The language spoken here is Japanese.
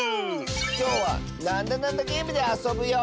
きょうは「なんだなんだゲーム」であそぶよ！